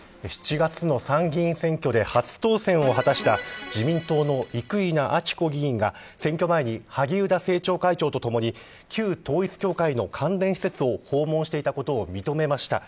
７月の参議院選挙で初当選を果たした自民党の生稲晃子議員が選挙前に萩生田政調会長とともに旧統一教会の関連施設を訪問してたことを認めました。